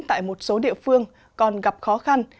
tại một số địa phương còn gặp khó khăn